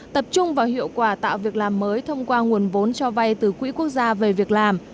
tập trung vào hiệu quả tạo việc làm mới thông qua nguồn vốn cho vay từ quỹ quốc gia về việc làm